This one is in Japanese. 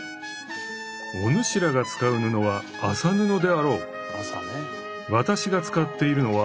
お主らが使う布は麻布であろう。